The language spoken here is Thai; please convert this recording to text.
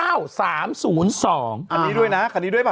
อันนี้ด้วยนะคันนี้ด้วยป่